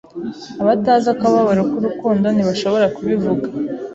Abatazi akababaro k'urukundo ntibashobora kubivuga.